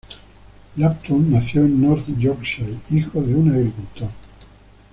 Lambton nació en North Yorkshire, hijo de un agricultor.